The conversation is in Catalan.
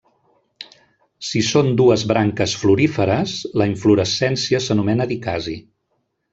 Si són dues branques floríferes, la inflorescència s'anomena dicasi.